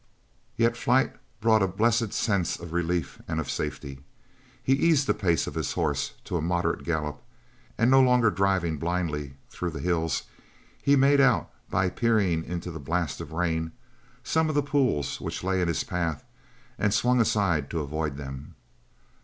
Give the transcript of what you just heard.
Yet flight brought a blessed sense of relief and of safety. He eased the pace of his horse to a moderate gallop, and no longer driving blindly through the hills, he made out, by peering into the blast of rain, some of the pools which lay in his path, and swung aside to avoid them.